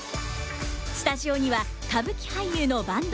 スタジオには歌舞伎俳優の坂東